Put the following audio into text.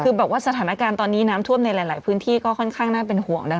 คือบอกว่าสถานการณ์ตอนนี้น้ำท่วมในหลายพื้นที่ก็ค่อนข้างน่าเป็นห่วงนะคะ